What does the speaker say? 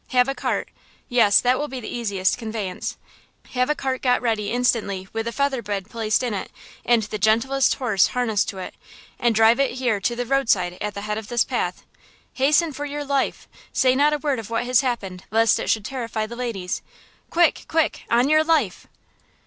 Have–a cart–yes–that will be the easiest conveyance–have a cart got ready instantly with a feather bed placed in it, and the gentlest horse harnessed to it, and drive it here to the roadside at the head of this path! Hasten for your life! Say not a word of what has happened lest it should terrify the ladies! Quick! quick! on your life!"